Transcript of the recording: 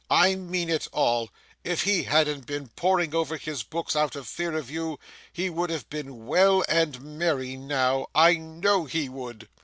'I mean it all. If he hadn't been poring over his books out of fear of you, he would have been well and merry now, I know he would.